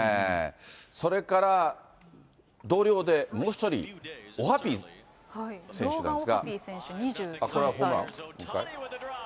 それから、同僚でもう１人、オハピー選手ですね。